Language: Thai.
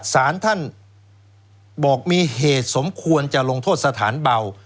สารท่านบอกมีเหตุสมควรจะลงโทษสถานเบา